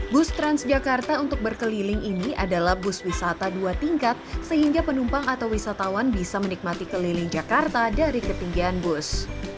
bus transjakarta untuk berkeliling ini adalah bus wisata dua tingkat sehingga penumpang atau wisatawan bisa menikmati keliling jakarta dari ketinggian bus